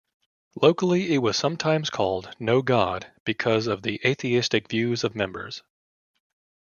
Locally it was sometimes called "No God," because of the atheistic views of members.